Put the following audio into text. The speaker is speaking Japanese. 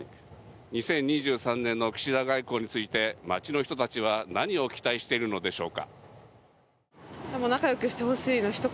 ２０２３年の岸田外交について街の人たちは何を期待しているのでしょうか。